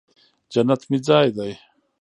جنت مې ځای دې